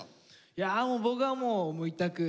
いやもう僕は一択。